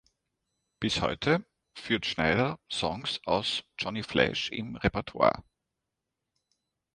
Bis heute führt Schneider Songs aus "Johnny Flash" im Repertoire.